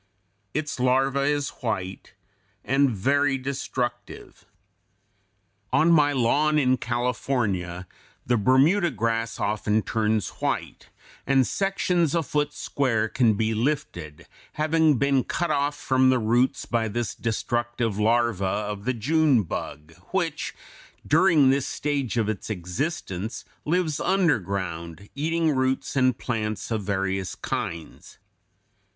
Its larva is white and very destructive. On my lawn in California the Bermuda grass often turns white, and sections a foot square can be lifted, having been cut off from the roots by this destructive larva of the June bug, which during this stage of its existence lives underground, eating roots and plants of various kinds.